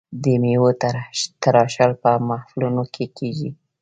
د میوو تراشل په محفلونو کې کیږي.